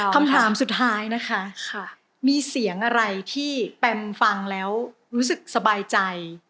คำถามสุดท้ายนะคะมีเสียงอะไรที่แปมฟังแล้วรู้สึกสบายใจ